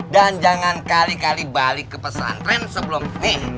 dan jangan kali kali balik ke pesantren sebelum nih